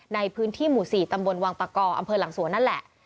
ในพื้นที่หมู่๔ตำบลวังตะกออำเภอหลังสวนนั่นแหละ